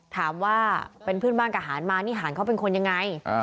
ถามว่าเป็นเพื่อนบ้านกับหารมานิหารเขาเป็นคนยังไง